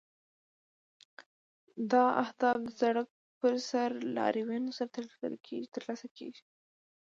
دا اهداف د سړک پر سر لاریونونو سره ترلاسه کیږي.